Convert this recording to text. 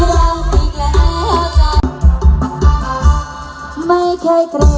ก็ช่วยได้ช่วยได้มีแค่ในห้าใจ